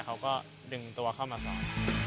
เขาก็ดึงตัวเข้ามาสอน